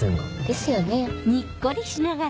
ですよね。